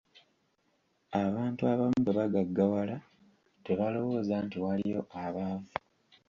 Abantu abamu bwe bagaggawala tebalowooza nti waliyo abaavu.